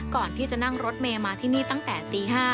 ก่อนที่จะนั่งรถเมย์มาที่นี่ตั้งแต่ตี๕